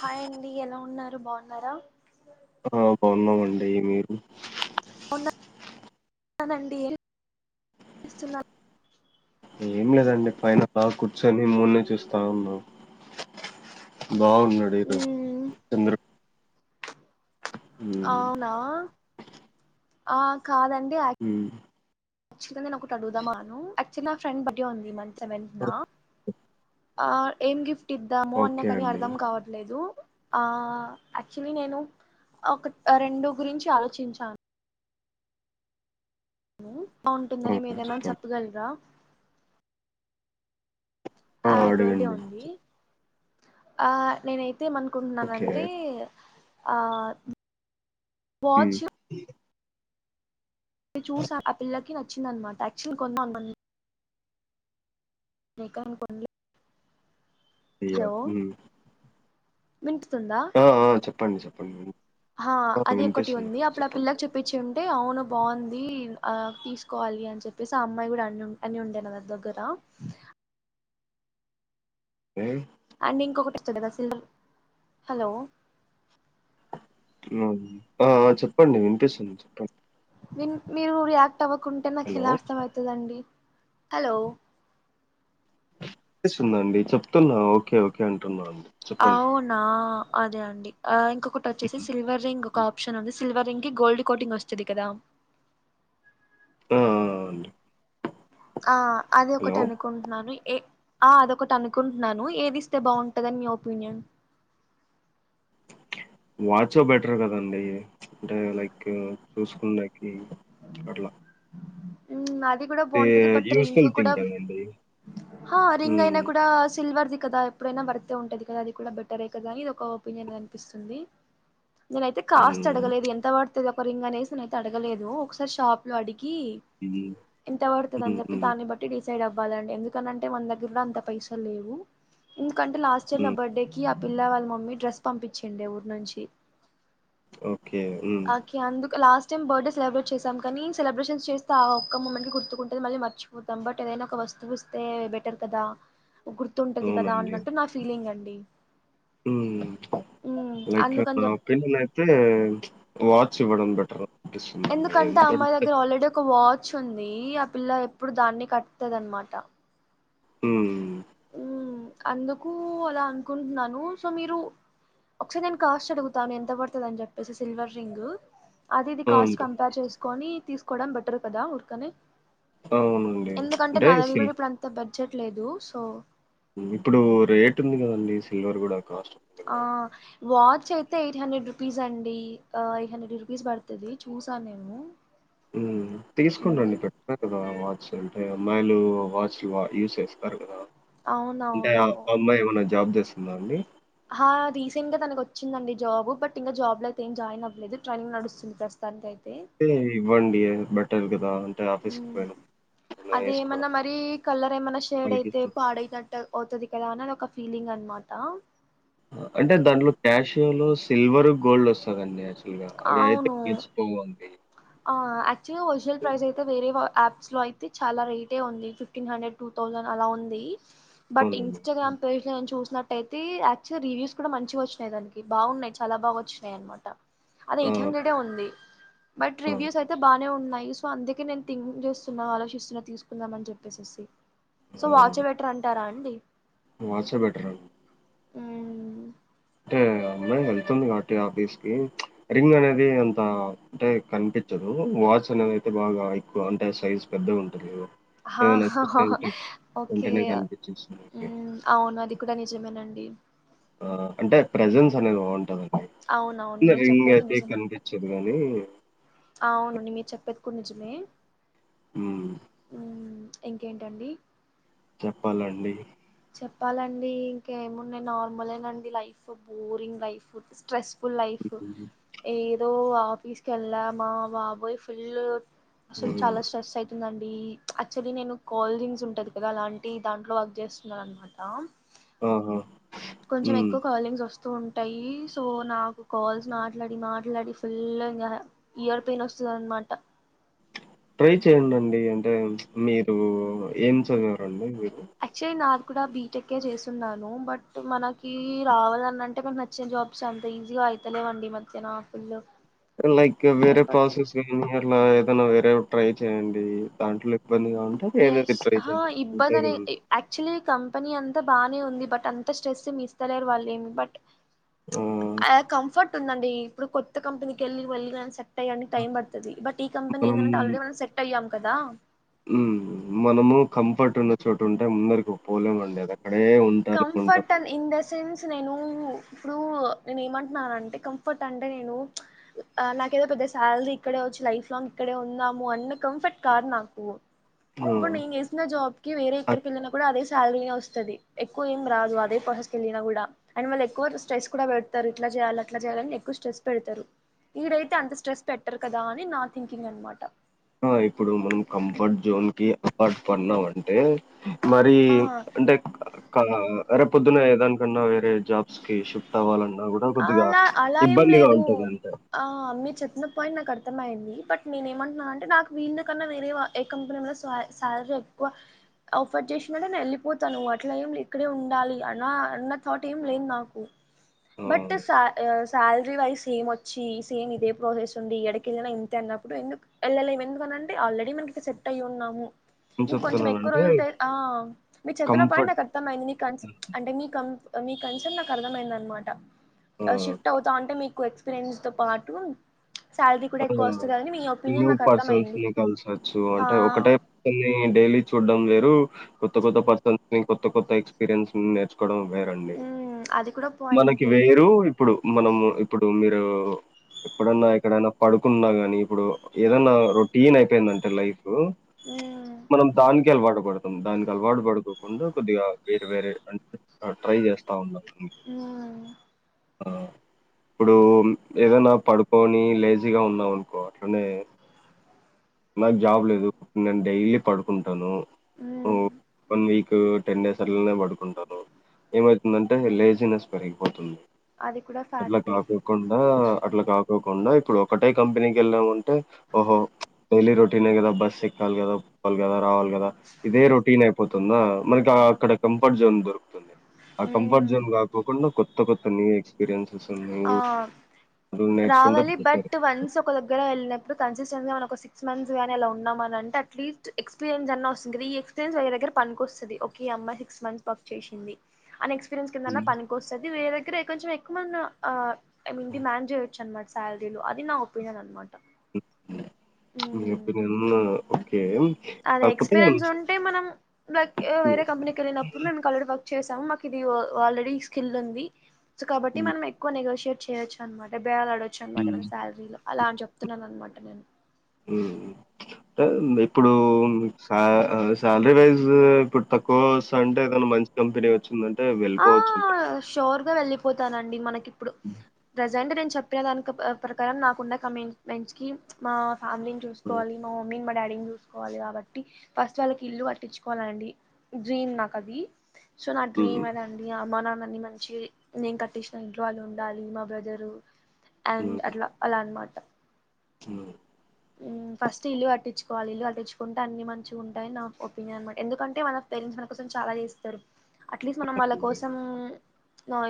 Hi అండి ఎలా ఉన్నారు బాగున్నారా ఆ బాగున్నామండి మీరు బాగున్నానండి ఏం చేస్తున్నారు ఏం లేదండి పైన బాగా కూర్చొని మూన్ ని చూస్తా ఉన్నాను బాగున్నాడు ఈరోజు మ్మ్ చంద్రుడు మ్మ్ అవునా ఆ కాదండి హ్మ్ క్చవల్ గా నేను ఒకటి అడుగుదామాను యాక్చువలీ నా ఫ్రెండ్ బర్త్డే ఉంది ఈ మంత్ సెవెంత్ నా ఆ ఏం గిఫ్ట్ ఇద్దాము అన్ని ఓకే నాకు అది అండి అర్ధం కావట్ లేదు ఆ యాక్చువలీ నేను ఒక రెండు గురించి ఆలోచించాను ఆ బాగుంటుందని మీరేమనా చెప్పండి చెప్పగలరా ఆ బడ్డే ఉంది ఆ నేనై తే ఓకే ఏమనుకుంటున్నానంటే ఆ మ్మ్ వాచ్ చూసా ఆ పిల్లకి నచ్చిందనమాట యాక్చుల్ కొన్నా ఇంకా ఏం కొన్లే అయ్యో హలో మ్మ్ విన్పిస్తుందా! ఆ ఆ చెప్పండి చెప్పండి. హ ఆ అది ఒకటి ఉంది వినిపిస్తుందండి అప్పుడు ఆ పిల్లకి చెప్ ప్పించి ఉంటే అవును బావుంది ఆ తీసుకోవాలి అని చెప్పేసి ఆ అమ్మాయి కూడా అను అని ఉండేను నా దగ్గర ఏ అండ్ ఇంకొకటి వస్తుంది కదా సిల్వర్ హలో ఆ ఆ చెప్పండి వినిపిస్తుంది చెప్పండి. మీరు రియాక్ట్ అవ్వకుంటే నాకు హలో ఎలా అర్థం ఐతదండి హలో! పిస్తుదండి చెప్తున్నా ఓకే ఓకే అంటున్నాను. అవునా! అదే అండి ఆ ఇంకొకటి వోచ్చేసి సిల్వర్ రింగ్ ఒక ఆప్షన్ ఉంది సిల్వర్ రింగ్ కి గోల్డ్ కోటింగ్ వోస్తది కదా! ఆ ఆ అండి ఆ అది ఒకటి హలో అన అనుకుంటున్నాను ఏ ఆ అదొకటి అనుకుంటున్నాను ఏది ఇస్తే బాగుంటదని మీ ఒపీనియన్ వాచో బెటర్ కదండి అంటే లైక్ చూసుకుడాకి అట్లా అది గుడా ఏ బావుంటది బట్ రింగ్ యూస్ఫుల్ గుడా థింకింగ్ అండి. హ రింగ్ అయినా హ్మ్. కూడా సిల్వర్ది కదా ఎప్పుడైనా భర్తే ఉంటది. కదా అది కూడా బెటరే కదా అది ఒక ఒపీనియన్ అనిపిస్తుంది. నేనైతే కాస్ట్ హ్మ్. అడగలేదు ఎంత పడుతది ఒకరి రింగ్ అనేసి నేనైతే అడగలేదు ఒకసారి షాప్ లో అడిగి ఇది. ఎంత బడుతది అని హ్మ్. జెప్పి హ్మ్. దాన్ని బట్టి డిసైడ్ అవ్వాలండి ఎందుకనంటే మన దగ్గర కూడా అంత పైసలు లేవు ఎందుకంటే లాస్ట్ ఇయర్ నా హ్మ్. బర్డే కి ఆ పిల్ల వాళ్ళ మమ్మీ డ్రెస్ పంపించిందే ఊరి నుంచి ఓకే ఉమ్మ్ కి అందుక్ లాస్ట్ టైమ్ బర్డే సెలబ్రేట్ చేసాం కానీ సెలబ్రేషన్ చేస్త ఆ ఒక్క ముమెంట్ గుర్తుకుంటే మళ్ళీ మర్చిపోతాం బట్ ఏదైనా ఒక వస్తువు ఐతే బెటర్ కదా గుర్తుంటది కదా అవునండి. అన్నట్టు నా ఫీలింగ్ అండి ము ఉమ్ లైక్ అందుకని చెప్ [inaudible] ఐతే వాచ్ ఇవ్వడం బెటర్ ఎందుకంటే ఆ అమ్మాయి దగ్గర ఆల్రెడీ ఒక వాచ్ ఉంది. ఆ పిల్ల ఎప్పుడు దాన్ని కట్టతది అన్మాట ము ఉ అందుకు అలా అనుకుంటున్నాను సో మీరు ఒకసారి నేను కాస్ట్ అడుగుతాను ఎంత పడుతది అని జెప్పేసి సిల్వర్ రింగ్ అది ఇది కాస్ట్ అవునండి. కంపేర్ చేసుకొని తీసుకోవడం బెటర్ కదా ఉరకనే అవునండి. ఎందుకంటే అంటే న సిల్ దగ్ర ఇప్పుడు అంత బడ్జెట్ లేదు సో ఇప్పుడు రేట్ ఉంది కదండి సిల్వర్ కూడా కాస్ట్ ఉంది ఆ కదా! వాచ్ అయితే ఎయిట్ హండ్రెడ్ రూపీస్ అండి. ఎయిట్ హండ్రెడ్ రూపీస్ పడుతది చూసాను నేను ము తీసుకుని మ్, రండి పెడ కదా వాచ్ అంటే అమాయిలు వాచ్లు యూస్ చేస్తారు గదా అంటే ఆ అవునవును అమ్మాయి ఏమన్నా జాబ్ జెస్తుందా! అండి ఆ రీసెంట్గా తనకు వోచ్చిందండి జాబ్ బట్ ఇంగ జాబ్ లో అయితేం జాయిన్ అవ్వలేదు ట్రైనింగ్ నడుస్తుంది ప్రస్తుతం సంత అయితే తే ఇవ్వండి బట్టర్ కదా ఆఫీస్‌కి పోయినప్పుడు అది ఏసుకోవడం ఏమన్నా మరి కలర్ ఏమన్నా షేడ్ అయితే వాళ్ళకిస్తూ పాడయినట్ట అవుతది కదా అని అది ఒక ఫీలింగ్ అన్నమాట అంటే దాంట్లో క్యాషియో లో సిల్వర్ గోల్డ్ వస్తందడి యాక్చువల్ గా అవి అయితే పోంది యాక్చులీ హోల్సేల్ ప్రైజస్ అయితే వేరే అప్స్ లో అయితే చాలా రేటే ఉంది ఫిఫ్టీన్ హండ్రెడ్ టూ థౌజండ్ అలా ఉంది బట్ అవునండి. ఇన్స్టాగ్రామ్ పస్లోను చూసినట్టయితే యాక్చువల్ రివ్యూస్ కూడా మంచిగాచ్చినాయి దానికి బాగున్నాయి చాలా బా వినాయి అన్నమా అట అదే ఆ! ఎయిట్ హండ్రెడ్ ఎ ఉంది బట్ ఆ! రివూస్ అయితే బానె ఉన్నాయి సు సో అందుకే నేను థింక్ చేస్తున్నా ఆలోచిస్తున్నా తీసుకుందాం అని చెప్పేసేసి సో వాచే బెటర్ అంటారా అండి వాచె బెటర్ మ్మ్. అంటే అమ్మాయి వెళ్తుంది కాబట్టి ఆఫీస్ కి రింగ్ అనేది అంత అంటే కనిపించదు వాచ్ అనేది అయితే బాగా ఎక్కువ అంటే సైజ్ పెద్ద ఉంటుంది కదా ఓకే వెంటనే ఉం కనిపిచ్చేస్తుంది. అవును అది కూడా నిజమేనండి ఆ అంటే ప్రెజెన్స్ అనేది అవునవును బాగుంటందిండి మీరు రింగ్ చెప్పేది అయితే నిజమే కనిపి చదుగాని అవును మీరు చెప్పేది కూడ నిజమే ఉం ఇంకేంటండి చెప్పాలండి చెప్పాలండి ఇంకేమున్నాయి నార్మలేనండి life boring life stress pull life హ్మ్. ఏదో ఆఫీస్కి వెళ్ళా మా బాబోయ్ ఫుల్ అసలు చాలా స్ట్రెస్ ఐతుండండి యాక్చువలీ నేను కాలింగ్స్ ఉంటది కదా అలాంటి దాంట్లో వర్క్ చేస్త న్న మాట ఆహా కొంచెం హ్మ్. ఎక్కువ కాలింగ్స్ వస్తు ఉంటాయి సో నాకు కాల్స్ మాట్లాడి మాట్లాడి ఫుల్ ఇంగా ఇయర్ పెయిన్ వస్తుందనమాట ట్రై చేయండిండి అంటే మీరు ఏం చదివారండి మీరు యాక్చువల్లీ నాకు కూడా బీటెక్ కె చేస్తున్నాను బట్ మనకి రావాలని అంటే కొ చ్చిన జాబ్స్ అంత ఈజీగా అయితలే వండి మధ్యన ఫుల్ లైక్ టైం వేరే పడుతుంది ప్రాసెస్ మ్ అట్లా ఏదైనా వేరే ట్రై చేయండి దాంట్లో ఇ ఇబ్బందిగా ఉంటే వేరేది ఎస్ ట్రై హా చే ఉంటే ఇబ్బంది అనే యాక్చువల్లీ కంపెనీ అంతా బానే ఉంది బట్ అంత స్ట్రెస్ మ ఇస్తలేరు వాళ్ళ ఏమి బట్ ఆ! కంఫర్ట్ ఉందండి ఇప్పుడు కొత్త కంపెనీకి వెళ్ళి వెళ్ళి సెక్ట్ అయ్యి టైం పడుతుంది ది బట్ ఈ కంపెనీ మనం ఏంటంటే ఆలెడీ మనం సెట్ అయ్యాం కదా మఉం మనము కంఫర్ట్ ఉన్న చోట ఉంటే ముందరికి పోలేముండి అద కంఫర్ట్ అం ఇన్ ద సెన్స్ నేను ఇప్పుడు నేను ఏమంటున్నాంటే కంఫర్ట్ అంటే నేను నాకేదో పెద్ద సాలరీ ఇక్కడే వచ్చి లైఫ్ లాంగ్ ఇక్కడే ఉన్నాము అన్న కంఫర్ట్ కాదు నాకు ఇప్పుడు నేను చేేసిన జాబ్ కి వేరే ఆ! ఎక్కడికి వెళ్ళిన కూడా అదే శాలరీనే వస్తది ఎక్కువ ఏం రాదు అదే పహస్క వెళ్ళినా కూడా అని వాళ్ళు ఎక్కువ స్ట్రెస్ కూడా పెడతారు ఇట్లా చేయాలి అలా చేయాలని ఎక్కువ స్ట్రెస్ పెడతారు ఇదైతే అంత స్ట్రెస్ పెట్టరు కదా అని నా థింకింగ్ అనమాట ఇప్పుడు మనం కంఫర్ట్ జోన్ కి అపాార్ట్ పన్నామంటే మరి అంటే రరేపు పొద్దున ఏ దానికన్నా వేరే జాబ్స్ కి షిఫ్ట్ అవ్వాలన్నా కూడా కొద్దిగా అలా అలా ఏం ఇబ్బందిగా లేదు ఉంటుంది అంటే మీరు చెప్పిన పాయింట్ నాకు అర్థమైంది బట్ నేను ఏమంటున్నాను అంటే నాకు వీళ్ళని కన్నా వేరే వా ఏ కంపెనీ మ స సలారీ ఎక్కువ ఆఫర్ చేసినట్టే నేను వెళ్ళిపోతాను ను అలా ఏం ఇక్కడే ఉండాలి అ అన్న థాట్ ఏం లేదు నాకు ఆ బట్ థిస్ సా శాలరీ వైజ్ సేమ్ వచ్చి సేమ్ ఇదే ప్రాసెస్ ఉండి ఎక్కడకిె వెళ్ళినా ఇంత అన్నప్పుడు ఎందుకు వెళ్ళలేము ఎందుకని అంటే ఆల్రెడీ మనకి ఇడెట్ అయిి ఉన్నాము ఏం ఇంక కొంచెం ఎక్కువ చెప్తున్నానంటే రోజులుా ఆ మీరు చెప్పిన పాడు కంఫర్ట్ నాకు అర్థమైంది నీ కం అంటే మీ కం మీ కన్సర్న్ నాకు అర్థమైంది అనమాట ఆ షిఫ్ట్ అవుతా అంటే మీకు ఎక్స్పీరియన్స్ తో పాటు శాలరీ కూడా ఎక్కువ వస్తదని మీ ఒపీనియన్ న్యూ నాకు పర్సన్స్ అర్థమయింది ను కలిసొచ్చు హా అంటే ఒకటే ని డైలీ చూడ్డం వేరు కొత్త కొత్త పర్సన్స్ కొత్త కొత్త ఎక్స్పీరియన్స్ ని నేర్చుకోవడం వేరండి మ్మ్ అది కూడా మనకి పాయింటే వేరు ఇప్పుడు మనము ఇప్పుడు మీరు ఎప్పుడన్నా ఎక్కడైనా పడుకున్నా గాని ఇప్పుడు ఏదన్నా రొటీన్ అయిపోయిందంటే లైఫ్ ఆ మనం దానికి అలవాటు పడుతాం దానికి అలవాటు పడుకోకుండా కొద్దిగా వేరే వేరే అంటే ట్రై చేస్తా ఉన్నాం ఎమ్ ఆ ఇప్పుడు ఏదనా పడుకొని లేజీగా ఉన్నాం అనుకో అట్లానే నాకు జాబ్ లేదు నేను డైలీ పడుకుంటాను మ్మ్ వన్ వీక్ టెన్ డేస్ అలానే పడుకుంటాారు ఏమైతుందంటే లేజీినెస్ పెరిగిపోతుంది అది కూడా మల ఫ్యాక్టే కాపు కాకుండా అట్లా కాకోకుండా ఇప్పుడు ఒకటే కంపెనీకి వెళ్ళాముంటే ఓహో డైలీ రొటీన్ే కదా బస్ ఎక్కాలి కదా ఒప్పాలి కదా రావాలి కదా ఇదే రొటీన్ పోతుందా మనకి అక్కడ కంఫర్ట్ జోన్ ఆ కంఫర్ట్ మ్మ్ జోన్ కాకుండా కొత్త కొత్త ఎక్స్పీరియన్సెస్ ఉన్నా ఆ అ రావాలి నేర్చుకుంటేారు బట్ వన్స్ ఒక దగ్గర వెళ్ళినప్పుడు కాన్సిస్టెన్సీ మన సిక్స్ంత్స్ గా ఎలా ఉన్నా అంటే అట్లీస్ట్ ఎక్పీరియన్స్ అన్నా వస్తుంది కద ఈ ఎక్పీరియన్స్ వ దగ్గర పనికి వస్తు ఈ అమ్మ సిక్స్ మంత్స్ వర్క్ చేసింది అని ఎక్స్పీరియన్స్ కిందన్నా హ్మ్. పనికి వస్తుంది వీ దగ్గర కొంచెం ఎక్కు మంది ఐ మీన్ దది మ్యాన్జ చేయచ్చు అనమాట సాలరీలు అది నా ఒపీనియన్ అన్నమాట ప అన్న అద ఎక్స్పీరియన్స్ ఉంటే మనం వేరే హ్మ్. కంపెనీకి వెళ్ళినప్పుడు మే కలర్ చేసాము మాకు ఇది ఆల్రెడీ స్కిల్ ఉంది సో కాబట్టి హ్మ్. మనం ఎక్కువ నెగోషయేట్ చేయచ్చునమాట బేల్ ఆడవచ్చు అనట హ్మ్. నాను శాలరీలో అలా అని చెప్తున్నాను అనమాట నేను టె ఇప్పుడు శాలరీ వైజ్ ఇప్పుడు తక్కువ అంటే ఏదను మంచి కంపెనీ వచ్చిందంటే ఆ వెళ్ళిపోవచ్చు ఇంక షోర్ గా వెళ్లిపోతానండి మనకి ఇప్పుడు ప్రజెంట్ నేను చెప్ చెప్పిన దానికి ప్రకారం నాకున్న కమిట్స్మెంట్స్ కి మా ఫ్యామిలీని హ్మ్ చూసుకోవాలి మా మమ్మీని మా డాడీని చూసు ట్కోవాలి కాబట్టి ఫస్ట్ వాళ్ళకి ఇల్లు కట్టించుకోవాలండి డ్రీమ్ నాకు అది సో నా డ్రీమ్ హ్మ్ అలా అండి అమ్మా నాన్నని మంచి నేను కట్టించిన ఇంట్లో వాళ్ళు ఉండాలి మా బ్రదరు అండ్ అట్లా అలా అనమాట చిన్నామే ఫస్ట్ ఇల్లు కట్టించుకోవాలి ఇల్లు కట్టించుకుంటే అన్ని మంచిగా ఉంటాయని నా ఒపీనియన్ అనమాట ఎందుకంటే ఆడ పేరెంట్స్ మన కోసం చాలా చేస్తారు అట్లీస్ట్ మనం వాళ్ళ కోసం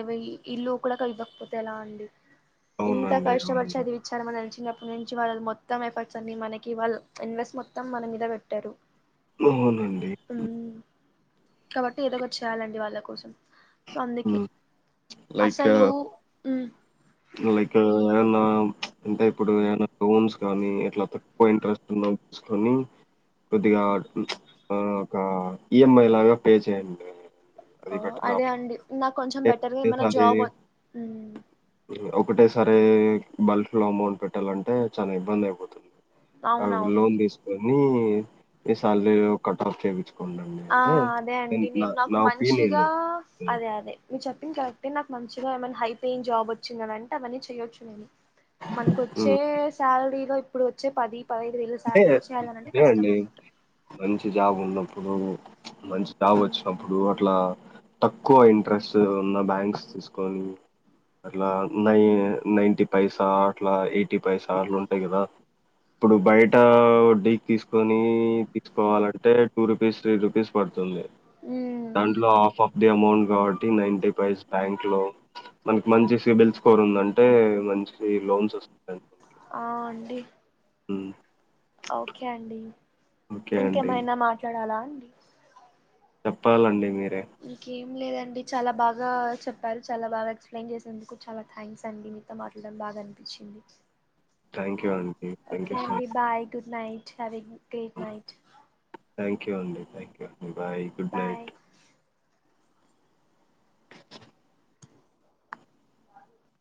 ఇవ ఇల్లు కూడా ఇవ్వకపోతే ఎలా అండి ఇంత అవునండి. అవును. అవునండి. కష్టపడిచదివి చర్మన చినప్పటి నుంచి వాళ్ళు మొ మొత్తం ఎఫర్ట్స్ అని మనకి వాళ్ళ ఇన్వెస్ట్ మొత్తం మన మీద పెట్టారు అవునండి కాబట్టి ఏదో ఒకటి చేయాలండి వాళ్ళ కోసం సో అందుకే హ్మ్. లైక్ అసలు ఉ లైక్ ఏమన్నా అంటే ఇప్పుడు ఏ మన్న రూమ్స్ కానీ ఎట్లా తక్కువ ఇంట్రెస్ట్ ఉన్నా కొని కొద్దిగా ఒక ఈఎంఐ లాగా పే చేయండి అది బెటర్ అదే ఆప్షన్. అండి నాకు కొంచెం బెటర్గా ఏమైనా జాబ్ ఒకటే సరే బల్క్ లో అమౌంట్ పెట్టాలంటే చాలా ఇబ్బంది అయిపోతుంది అవునవును లోన్ తీసుకొని మీ శాలరీలో కట్ ఆఫ్ చేపిచ్చు ఆ అదే అండి నేను నాకు నా ఒపీనియన్ మంచిగా అదే అదే మీరు చెప్పింది కరక్టే నాకు మంచిగా ఏమైన్నా హై పేయిన్ జాబ్ వచ్చిందనంటే అవన్నీ చెయొచ్చు నేను మనకు వచ్చే ఉమ్. సాలరీలో ఇప్పుడు వచ్చే పది పదహైదు వేలు అంటే శాలరీలు వచ్చినాయిఅనంటే అదే అండి కష్టంగా ఉన్నట్టు మంచి జాబ్ ఉన్నప్పుడు మంచి జాబ్ వచ్చినప్పుడు అట్లా తక్కువ ఇంట్రెస్ట్ ఉన్న బ్యాంక్స్ తీసుకొని అట్లా నై నైన్టీ పైసా అట్లా ఎయిటీ పైసా అట్లా ఉంటాయి కదా ఇప్పుడు బయిట్ వడ్డీకి తీసుకొని తీసుకోవాలంటే టూ రూపీస్ త్రీ రూపీస్ పడుతుంది ఉమ్ దాంట్లో హాఫ్ ఆఫ్ డే అమౌంట్ కాబట్టి నైన్టీ పైస్ బ్యాంక్ లో మనకి మంచి సిబిల్స్ కోర్ ఉందంటే మంచి లోన్స్ వస్తయ్ ఆ అండి హ ఓకే అండి ఓకే అండి. ఇంకేమైనా మాట్లాడాలా అండి చెప్పాలండి మీరే ఇంకేం లేదండి చాలా బాగా చెప్పారు చాలా బాగా ఎక్సప్లైన్ చేసినందుకు చాలా థ్యాంక్స్ అండి మీకు మీతో మాట్లాడటం బాగా అనిపించింది థ్యాంక్ యూ అండి. థ్యాంక్ ఓకే యూ సో అండి much. Bye good night having great night thank you అండి thank you bye good bye night [inaudible]